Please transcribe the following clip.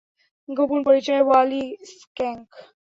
গোপন পরিচয়ওয়ালী স্কাঙ্ক।